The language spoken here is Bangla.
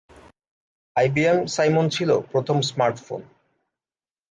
আইবিএম সাইমন ছিল প্রথম স্মার্টফোন।